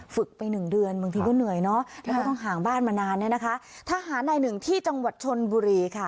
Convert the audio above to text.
ฝึกไปหนึ่งเดือนบางทีก็เหนื่อยเนอะแล้วก็ต้องห่างบ้านมานานเนี่ยนะคะทหารนายหนึ่งที่จังหวัดชนบุรีค่ะ